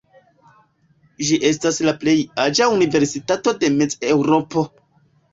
Ĝi estas la plej aĝa universitato de Mez-Eŭropo.